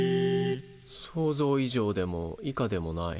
想像以上でも以下でもない。